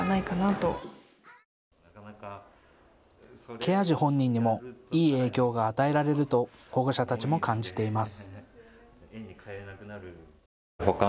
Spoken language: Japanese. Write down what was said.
ケア児本人にも、いい影響が与えられると保護者たちも感じています。